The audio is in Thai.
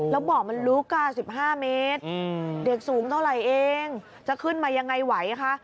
แล้วบ่อมันลุก๑๕เมตรเด็กสูงเท่าไหร่เองจะขึ้นมายังไงไหวคะ